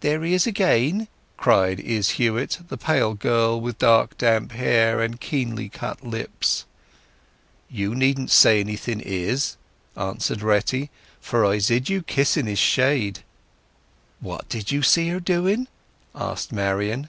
"There he is again!" cried Izz Huett, the pale girl with dark damp hair and keenly cut lips. "You needn't say anything, Izz," answered Retty. "For I zid you kissing his shade." "What did you see her doing?" asked Marian.